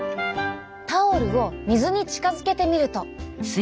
タオルを水に近づけてみると。